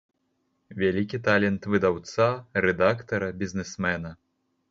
Вялікі талент выдаўца, рэдактара, бізнэсмена.